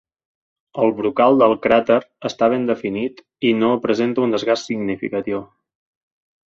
El brocal del cràter està ben definit i no presenta un desgast significatiu.